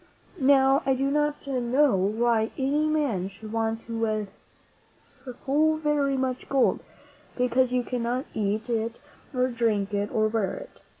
Now, I do not know why any man should want so very much gold, because you cannot eat it or drink It or wear it.